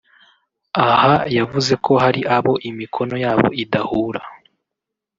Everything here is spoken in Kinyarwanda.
Aha yavuze ko hari abo imikono yabo idahura